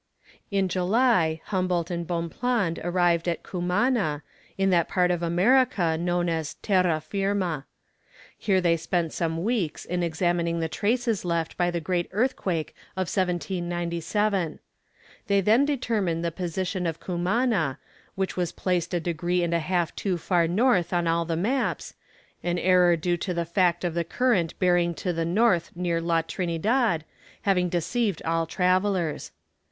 In July, Humboldt and Bonpland arrived at Cumana, in that part of America known as Terra Firma. Here they spent some weeks in examining the traces left by the great earthquake of 1797. They then determined the position of Cumana, which was placed a degree and a half too far north on all the maps an error due to the fact of the current bearing to the north near La Trinidad, having deceived all travellers.